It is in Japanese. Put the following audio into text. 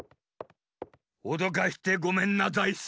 おどかしてごめんなザイス。